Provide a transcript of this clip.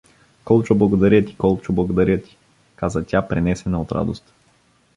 — Колчо, благодаря ти, Колчо, благодаря ти! — каза тя, пренесена от радост.